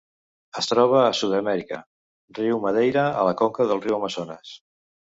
Es troba a Sud-amèrica: riu Madeira a la conca del riu Amazones.